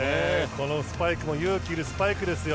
このスパイクも勇気がいるスパイクですよ。